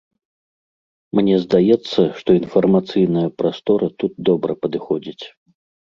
Мне здаецца, што інфармацыйная прастора тут добра падыходзіць.